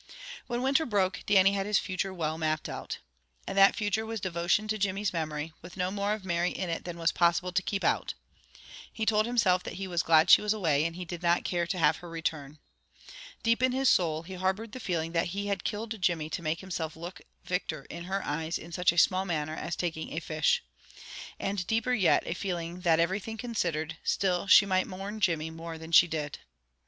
When winter broke, Dannie had his future well mapped out. And that future was devotion to Jimmy's memory, with no more of Mary in it than was possible to keep out. He told himself that he was glad she was away and he did not care to have her return. Deep in his soul he harbored the feeling that he had killed Jimmy to make himself look victor in her eyes in such a small matter as taking a fish. And deeper yet a feeling that, everything considered, still she might mourn Jimmy more than she did.